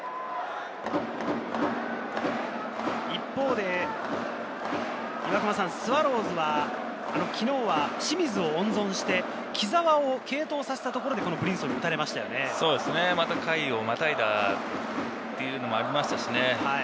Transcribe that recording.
一方で、スワローズは昨日は清水を温存して、木澤を継投させたところでブリンソンに打回をまたいだというのもありましたしね。